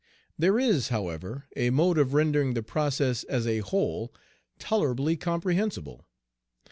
There is, however, a mode of rendering Page 164 the process as a whole tolerably comprehensible.